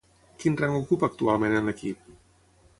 Quin rang ocupa actualment en l'equip?